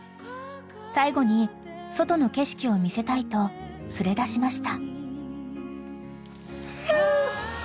［最期に外の景色を見せたいと連れ出しました］